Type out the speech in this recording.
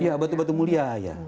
iya batu batu mulia ya